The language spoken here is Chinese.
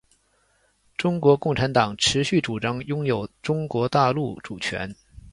中国共产党持续主张拥有中国大陆主权。